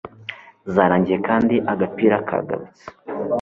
zarangiye kandi agapira kagarutse